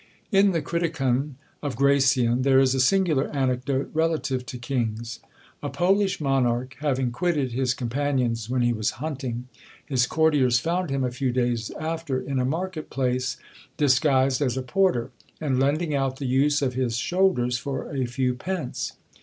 In the Criticon of Gracian, there is a singular anecdote relative to kings. A Polish monarch having quitted his companions when he was hunting, his courtiers found him, a few days after, in a market place, disguised as a porter, and lending out the use of his shoulders for a few pence.